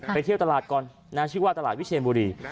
เที่ยวตลาดก่อนนะชื่อว่าตลาดวิเชียนบุรี